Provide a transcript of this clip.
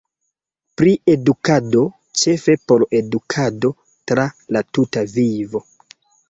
Pri edukado: ĉefe por edukado tra la tuta vivo.